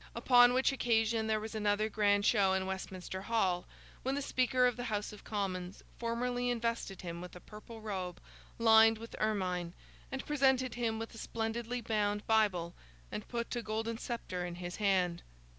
Upon which occasion there was another grand show in Westminster Hall, when the Speaker of the House of Commons formally invested him with a purple robe lined with ermine, and presented him with a splendidly bound Bible, and put a golden sceptre in his hand.